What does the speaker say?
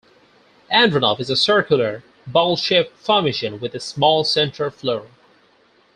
Andronov is a circular, bowl-shaped formation with a small central floor.